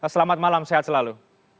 selamat malam sehat selalu